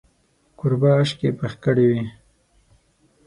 کوربه اشکې پخې کړې وې.